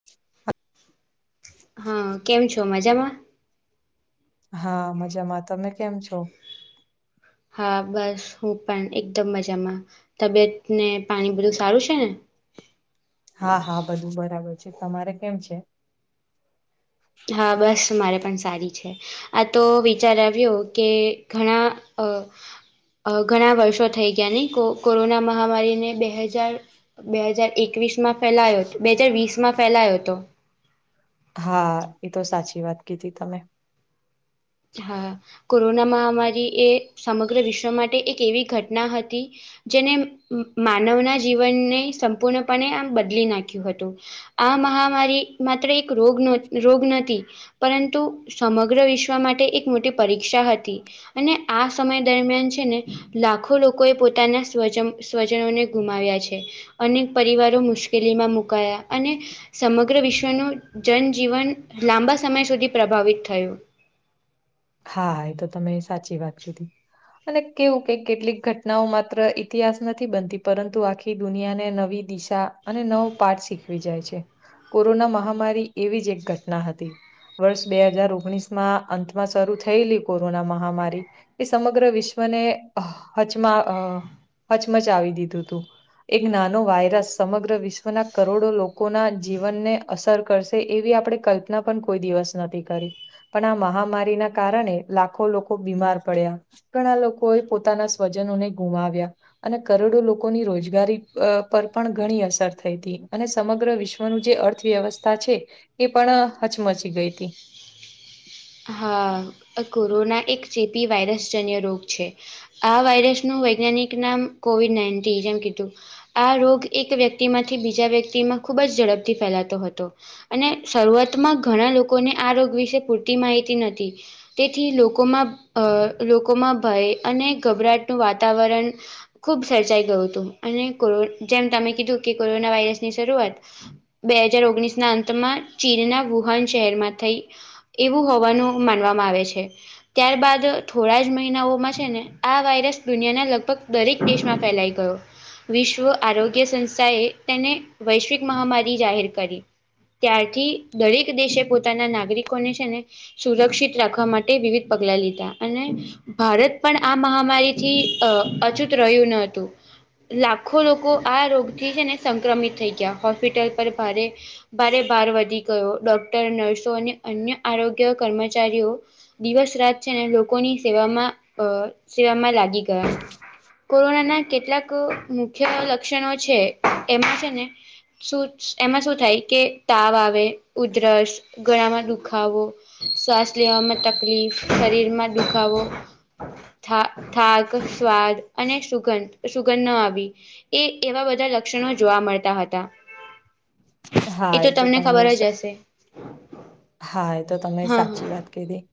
[unintelligible] હ, કેમ છો મજામાં. હા, મજામાં તમે કેમ છો. હા, બસ હું પણ એકદમ મજામાં. તબિયત ને પાણી બધું સારું છે ને. હા-હા, બધું બરાબર છે તમારે કેમ છે. હા, બસ મારે પણ સારી છે. આ તો વિચાર આવ્યો કે ઘણા અ ઘણા વર્ષો થઈ ગયા નહી, કો કોરોના મહામારીને બે હજાર બે હજાર એકવીસ માં ફેલાયો તો, બે હાજર વીસ માં ફેલાયો હતો. હા. એ તો સાચી વાત કીધી તમે. હા. કોરોના મહામારી એ સમગ્ર વિશ્વ માટે એક એવી ઘટના હતી જેને માનવના જીવનને સંપૂર્ણપણે આમ બદલી નાખ્યું હતું. આ મહામારી માત્ર એક રોગ નો રોગ નથી, પરંતુ સમગ્ર વિશ્ શ્વ માટે એક મોટી પરીક્ષા હતી. અને આ સમય દરમિયાન છે ને લાખો લોકોએ પોતાના સ્વજમ સ્વજનોને ગુમાવ્યા છે. અનેક પરિવારો મુશ્કેલીમાં મુકાયા. અને સમગ્ર વિશ્વનું જનજીવન લાંબા સમય સુધી પ્રભાવિત થયું. હા, હા. એ તો તમે સાચી વાત કીધી. અને કેવું કે કેટલીક ઘટનાઓ માત્ર ઈતિહાસ નથી બનતી, પરંતુ આખી ખી દુનિયાને નવી દિશા અને નવો પાઠ શીખવી જાય છે. કોરોના મહામારી એવી જ એક ઘટના હતી. વર્ષ બે હજાર ઓગણીસ માં અંતમાં સ શરૂ થયેલી કોરોના મહામારી, એ સમગ્ર વિશ્વને હચમાં અહ હચમચાવી દીધું તું. એક નાનો વાયરસ, સમગ્ર વિશ્વના કરોડો લોકોના જીવનને અસર કરશે એવી આપણે કલ્પના પન કોઈ દિવસ નહોતી કરી. પણ આ મહામારીના કારણે લાખો લોકો બીમાર પડ્યા. ઘણા લોકોએ પોતાના સ્વજનોને ગુમાવ્યા. અને કરોડો લોકોની રોજગારી અહ પર પણ ઘણી અસર થઈ તી. અને સમગ્ર વિશ્ ઓમ જે અર્થવ્યવસ્થા છે, એ પણ હચમચી ગઈ તી. હા. આ કોરોના એક ચેપી વાયરસજન્ય રોગ છે. આ વાયરસનું વૈજ્ઞાનિક નામ કોવિડ નાઇન્ટી જેમ કીધું. આ રોગ એક વ્યક્તિમાંથી બીજા વ્યક્તિમાં ખૂબ જ ઝડપથી ફેલાતો હતો. અને શરૂઆતમાં ઘણા લોકોને આ રોગ વિશે પૂરતી માહિતી નહોતી. તેથી લોકોમાં અહ લોકોમાં ભય અને ગભરાટનું વાતાવરણ ખુબ સર્જાઈ ગયું તું. અને કોરો જેમ તમે કીધું કે કોરોના વાયરસની શરૂઆત બે હજાર ઓગણીસના અંતમાં ચીનના વુહાન શહેરમાં થઈ. એવું હોવાનું માનવામાં આવે છે. ત્યારબાદ થોડા જ મહિનાઓમાં છે ને, આ વાયરસ દુનિયાના લગભગ દરેક દેશમાં ફેલાઈ ગયો. વિશ્વ આરોગ્ય સંસ્થાએ તેને વૈશ્વિક મહામારી જાહેર કરી. ત્યારથી દરેક દેશે પોતાના નાગરિકોને છે ને સુરક્ષિત રાખવા માટે વિવિધ પગલા લીધા. અને ભારત પણ આ મહામારીથી અહ અછૂત રહ્યું ન હતું. લાખો લોકો આ રોગથી છે ને સંક્રમિત થઈ ગયા. હોસ્પિટલ પર ભારે ભારે ભાર વધી ગયો. ડોક્ટર, નર્સો અને અન્ય આરોગ્ય કર્મચારીઓ દિવસ રાત છે ને, લોકોની સેવામાં અહ સેવામાં લાગી ગયા. કોરોનાના કેટલાક મુખ્ય લક્ષણો છે, એમાં છે ને શું એમાં શું થાય, કે તાવ આવે, ઉધરસ, ગળામાં દુખ દુખાવો, શ્વાસ લેવામાં તકલીફ, શરીરમાં દુખાવો થા થાક, સ્વાદ અને સુગંધ-સુગંધ ન આવી. એ એવા બધા લક્ષણો જોવા મળતા હતા. એ તો તમને ખબર જ હશે. થાય એ તો તમે હા સાચી વાત કીધી.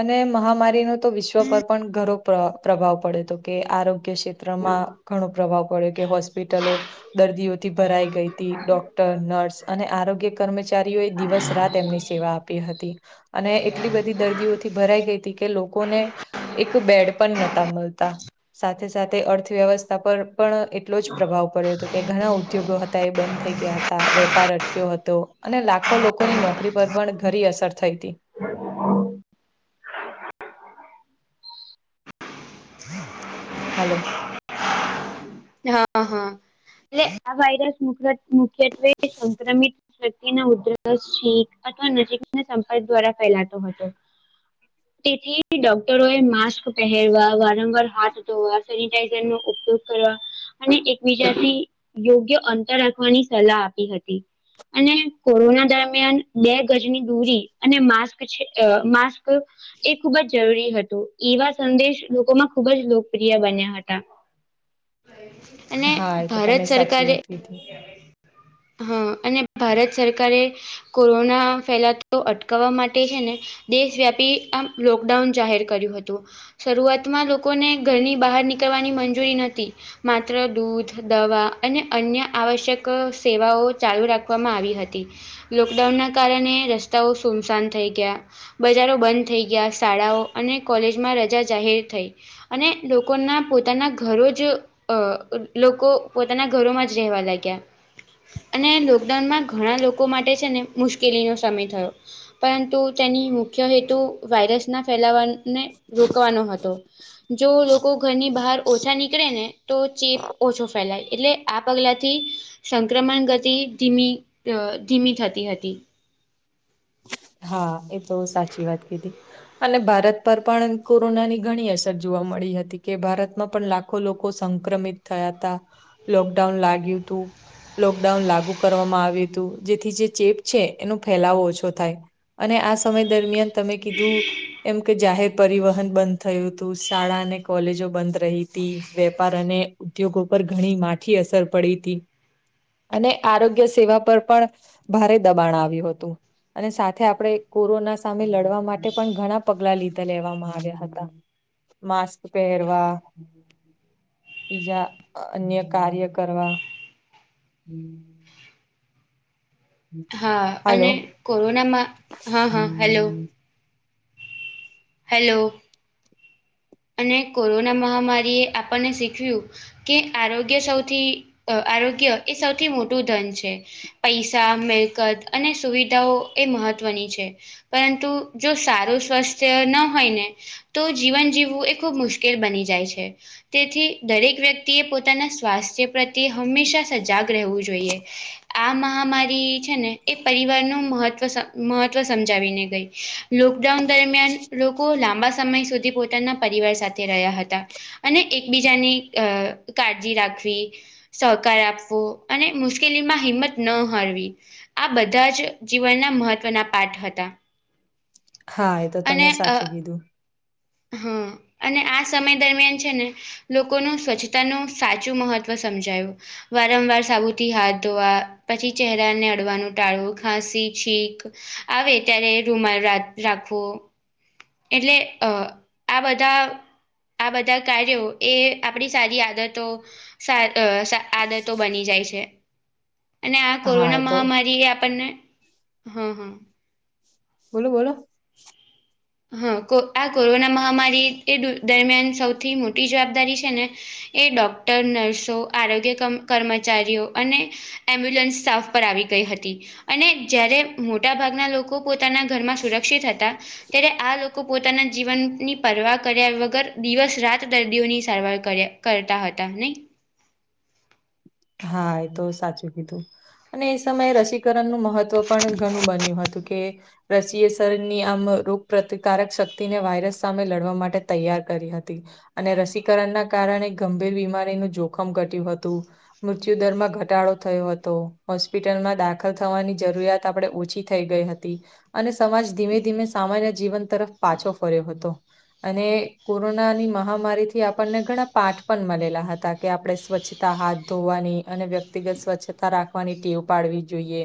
અને મહામારીનો તો વિશ્વ પર પણ ઘણો પ્ર પ્રભાવ પડ્યો તો, કે આરોગ્ય ક્ષેત્રમાં ઘણો પ્રભાવ પડ્યો. કે હોસ્પ હોસ્પિટલો દર્દીઓથી ભરાઈ ગઈ તી ડોક્ટર, નર્સ અને આરોગ્ય કર્મચારીઓએ દિવસ રાત એમને સેવા આપી હતી અને એટલી બધી દર્દીઓથી ભરાઈ ગઈ તી કે લોકોને એક બેડ પણ નતા મળતા. સાથે સાથે અર્થવ્યવસ્થા પર પણ એટલો જ પ્રભાવ પડ્યો હતો કે ઘણા ઉદ્યોગો હતા એ બંધ થઈ ગયા હતા વેપાર અટક્યો હતો અને લાખો લોકોની નોકરી પર પણ ઘરી અસર થઈ તી. [inaudible] હલો હા હા એટલે આ વાયરસ મુખ જ મુખ્યત્વે સંક્રમિત વ્યક્તિ ને ઉધરસ ઉધરસ, છીંક અથવા નજીકના સંપર્ક દ્વારા ફેલાતો હતો. તેથી ડોક ડોક્ટરો એ માસ્ક પહેરવા, વારંવાર હાથ ધોવા, સેનિટાઈઝર નો ઉપયોગ કરવા અને એકબીજાથી યોગ્ય અંતર રાખવાની સલાહ આપી હતી. અને કોરોના દરમિયાન બે ગજની દૂરી અને માસ્ક છે અ માસ્ક એ ખુબ જ જરૂરી હતું એવા સંદેશ લોકોમાં ખૂબ જ લોકપ્રિય બન્યા હતા. [inaudible] હા એ તો ભારત તમે સાચી સરકારે વાત કીધી. હા અને ભારત સરકારે કોરોના ફેલાતો અટકાવવા માટે છે ને દેશવ્યાપી આમ લોકડાઉન જાહેર કર્યું હતું. શરૂઆતમાં લોકોને ઘરની બહાર નીકળવાની મંજૂરી નોતી. માત્ર દૂધ, દવા અને અન્ય આવશ્યક સેવાઓ ચાલુ રાખવામા આવી હતી. લોકડાઉન ના કારણે રસ્તાઓ સુમસાન થઈ ગયા. બજારો બંધ થઈ ગયા, શાળાઓ અને કોલેજમાં રજા જાહેર થઈ. અને લોકોના પોતાના ઘરો જ અ લોકો પોતાના ઘરોમાં જ રહેવા લાગ્યા. અને લોકડાઉનમાં ઘણા લોકો માટે છે ને મુશ્કેલીનો સમય થયો. પરંતુ તેની મુખ્ય હેતુ વાયરસના ફેલાવાને રોકવાનો હતો. જો લોકો ઘરની બહાર ઓછા નીકળે ને તો ચેપ ઓછો ફેલાય એટલે આ પગલાથી સંક્રમણ ગતિ ધીમી અ ધીમી થતી હતી. હા એ તો સાચી વાત કીધી. અને ભારત પર પણ કોરોના ની ઘણી અસર જોવા મળી હતી કે ભારતમાં પણ લાખ લાખો લોકો સંક્રમિત થયા હતા, લોકડાઉન લાગ્યું તું. લોકડાઉન લાગુ કરવામાં આવ્યું તું જેથી જે ચેપ છે એનો ફેલાવો ઓછો થાય. અને આ સમય દરમિયાન તમે કીધું એમ કે જાહેર પરિવહન બંધ થયું તું શાળા અને કોલેજો બંધ રહી હતી વેપાર અને ઉદ્યોગો પર ઘણી માઠી અસર પડી હતી. અને આરોગ્ય સેવા પર પણ ભારે દબાણ આવ્યું હતું અને સાથે સાથે આપણે કોરોના સામે લડવા માટે પણ ઘણા પગલા લીધા લેવામાં આવ્યા હતા. માસ્ક પહેરવા બીજા અન્ય કાર્ય કરવા હમમ. હા અને હાલો. કોરોનામાં હા હા હલો. હલો અને કોરોના મહામારીએ આપણને શીખવ્યું કે આરોગ્ય સૌથી આરોગ્ય એ સૌથી મોટું ધન છે. પૈસા મિલકત અને સુવિધાઓ એ મહત્વની છે. પરંતુ જો સારું સ્વસ્થ ય ન હોય ને તો જીવન જીવવું એ ખૂબ મુશ્કેલ બની જાય છે. તેથી દરેક વ્યક્તિ એ પોતાના સ્વાસ્થ્ય પ્રત્યે હંમેશા સજાગ રહેવું જોઈએ. આ મહામારી છે ને એ પરિવારનુ મહત્વ મહત્વ સમજાવીને ગઈ લોકડાઉન દરમિયાન લોકો લાંબા સમય સુધી પોતાના પરિવાર સાથે રહ્યા હતા. અને એકબીજાની અ કાળજી રાખવી સહકાર આપવો અને મુશ્કેલીમાં હિંમત ન હારવી. આ બધા જ જીવનના મહત્ત્વના પાઠ હતા. હા એ તો તમે અને અ સાચું કીધું. હા અને આ સમય દરમિયાન છે ને લોકોનું સ્વચ્છતાનું સાચું મહત્ત્વ સમજાયું વારંવાર સાબુથી હાથ ધોવા પછી ચહેરાને અડવાનું ટાળવું ખાંસી છીક આવે ત્યારે રૂમાલ રાખવો એટલે અ આ બધા આ બધા કાર્યો એ આપણી સારી આદતો [inaudible] આદતો બની જાય છે. અને આ હા એ કોરોના તો મહામારી એ આપણને હા હા બોલો બોલો હા કો આ કોરોના મહામારી એ દરમિયાન સૌથી મોટી જવાબદારી છે ને એ ડોક્ટર, નર્સો, આરોગ્ય કમ કર્મચારીઓ અને એમ્બ્યુલન્સ સ્ટાફ પર આવી ગઈ હતી અને જ્યારે મોટાભાગના લોકો પોતાના ઘરમાં સુરક્ષિત હતા ત્યારે આ લોકો પોતાના જીવનની પરવા કર્યા વગર દિવસ-રાત દર્દીઓની સારવાર કર્યા કરતા હતા નઈ હા એતો સાચું કીધું. અને એ સમયે રસીકરણનું મહત્વ પણ ઘણું બન્યું હતું કે રસીએ શરીરની આમ રોગ પ્રતિકારક શક્તિને વાયરસ સામે લડવા માટે તૈયાર કરી હતી. અને રસીકરણના કારણે ગંભીર બીમારીનું જોખમ ઘટ્યું હતું. મૃત્યુદરમાં ઘટાડો થયો હતો, હોસ્પિટલમાં દાખલ થવાની જરૂરિયાત આપડે ઓછી થઈ ગઈ હતી અને સમાજ ધીમે-ધીમે સામાન્ય જીવન તરફ પાછો ફર્યો હતો. અને કોરોનાની મહામારીથી આપણને ઘણા પાઠ પણ મળેલા હતા કે આપડે સ્વચ્છતા હાથ ધોવાની અને વ્યક્તિગત સ્વચ્છતા રાખવાની ટેવ પાડવી જોઈએ.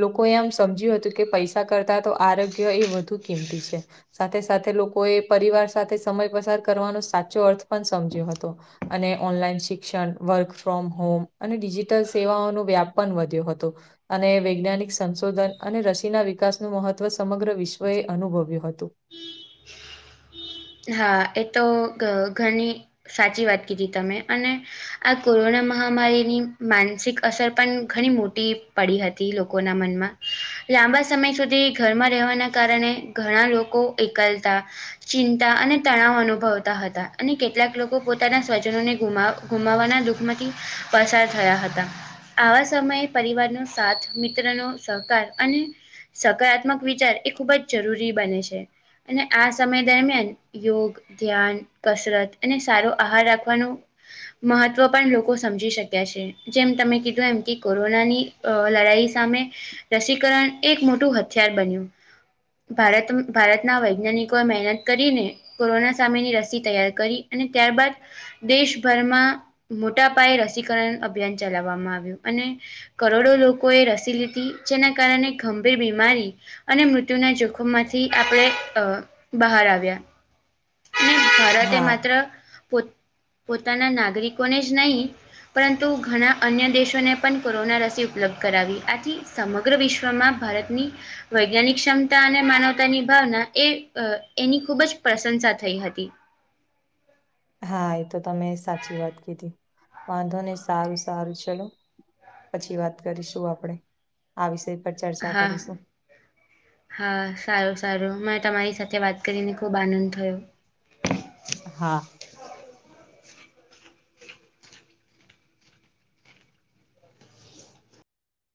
લોકોએ આમ સમજ્યું હતું કે પૈસા કરતા તો આરોગ્ય એ વધુ કિંમતી છે. સાથે-સાથે લોકોએ પરિવાર સાથે સમય પસાર કરવાનો સાચો અર્થ પણ સમજ્યો હતો. અને ઓનલાઈન શિક્ષણ, વર્કફ્રોમ હોમ અને ડિજિટલ સેવાઓનો વ્યાપ પન વધ્યો હતો. અને વૈજ્ઞાનિક સંશોધન અને રસીના વિકાસનું મહત્વ સમગ્ર વિશ્વએ અનુભવ્યું હતું. હા એતો ઘની સાચી વાત કીધી તમે અને આ કોરોના મહામારીની માનસિક અસર પણ ઘણી મોટી પડી હતી લોકોના મનમાં લાંબા સમય સુધી ઘરમાં રહેવાના કારણે ઘણા લોકો એકલતા ચિંતા અને તણાવ અનુભવતા હતા અને કેટલાક લોકો પોતાના સ્વજનોને ગુમાવ ગુમાવાના દુઃખમાંથી પસાર થયા હતા. આવા સમયે પરિવારનો સાથ, મિત્રનો સહકાર અને સકારાત્મક વિચાર એ ખૂબ જ જરૂરી બને છે અને આ સમય દરમિયાન યોગ, ધ્યાન, કસરત અને સારો આહાર રાખવાનો મહત્વ પણ લોકો સમજી શક્યા છે. જેમ તમે કીધું એમ કે કોરોનાની અ લડાઈ સામે રસીકરણ એક મોટું હથિયાર બન્યું. ભારત ભારતના વૈજ્ઞાનિકોએ મહેનત કરીને કોરોના સામેની રસી તૈયાર કરી અને ત્યારબાદ દેશભરમાં મોટાપાયે રસીકરણ અભિયાન ચલાવામાં આવ્યું અને કરોડો લોકોએ રસી લીધી જેના કારણે ગંભીર બીમારી અને મૃત્યુના જોખમમાંથી આપડે અ બહાર આવ્યા. અને ભારતે હા માત્ર પો પોતાના નાગરિકોને જ નહીં. પરંતુ ઘણા અન્ય દેશોને પણ કોરોના રસી ઉપલબ્ધ કરાવી આથી સમગ્ર વિશ્વમાં ભારતની વૈજ્ઞાનિક ક્ષમતા અને માનવતાની ભાવના એ અ એની ખૂબ જ પ્રશંસા થઈ હતી. હા એતો તમે સાચી વાત કીધી. વાંધો ને સારું સારું ચલો. પછી વાત કરીશું આપડે. આ વિષય પર ચર્ચા હા. કરીશું. હા સારું-સારું મે તમારી સાથે વાત કરીને ખુબ આનંદ થયો. હા